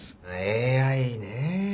ＡＩねぇ。